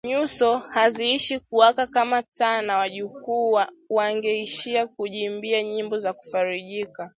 nyuso haziishi kuwaka kama taa na wajukuu wangeishia kujiimbia nyimbo za kufarijika